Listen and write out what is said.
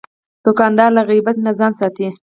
دوکاندار له غیبت نه ځان ساتي.